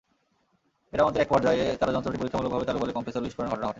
মেরামতের একপর্যায়ে তাঁরা যন্ত্রটি পরীক্ষামূলকভাবে চালু করলে কম্প্রেসর বিস্ফোরণের ঘটনা ঘটে।